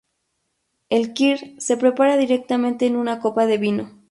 El Kir se prepara directamente en una copa de vino.